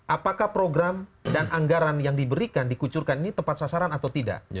apakah program dan anggaran yang diberikan dikucurkan ini tepat sasaran atau tidak